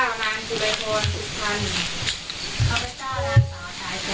ข้าพเจ้านางสาวสุภัณฑ์หลาโภ